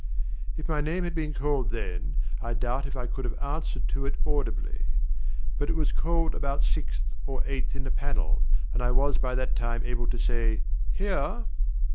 If my name had been called then, I doubt if I could have answered to it audibly. But it was called about sixth or eighth in the panel, and I was by that time able to say 'Here!'